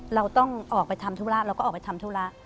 เราต้องออกไปทำธุระเราก็ออกไปทำธุระ